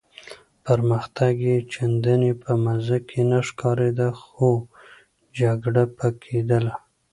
پرمختګ یې چنداني په مزه کې نه ښکارېده، خو جګړه به کېدله.